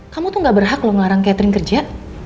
kamu tuh gak berhak lo ngarang catherine kerja